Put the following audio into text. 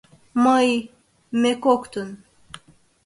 — Мый... ме коктын...